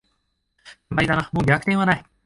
決まりだな、もう逆転はない